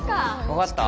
わかった？